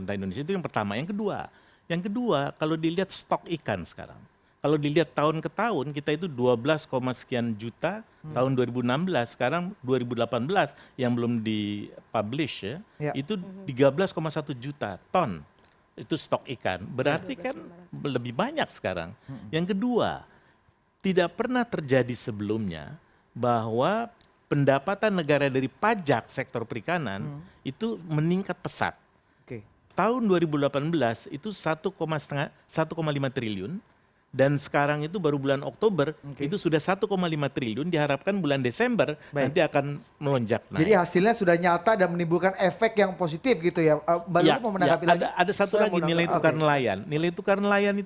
hilirisasi bagaimana peningkatan ekspor